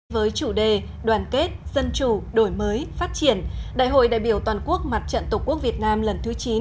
với chủ đề đoàn kết dân chủ đổi mới phát triển đại hội đại biểu toàn quốc mặt trận tổ quốc việt nam lần thứ chín